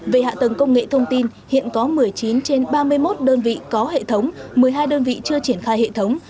về hạ tầng công nghệ thông tin hiện có một mươi chín trên ba mươi một đơn vị có hệ thống một mươi hai đơn vị chưa triển khai hệ thống